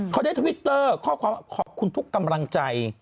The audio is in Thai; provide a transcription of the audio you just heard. พอได้ทวิตเตอร์ขอบคุณทุกข์กำลังใจ